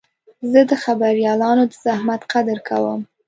زه د خبریالانو د زحمت قدر کوم.